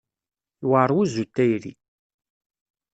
Yewɛaṛ wuzzu n tayri.